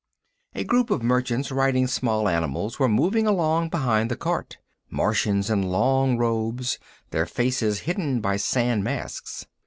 A group of merchants riding small animals were moving along behind the cart, Martians in long robes, their faces hidden by sand masks.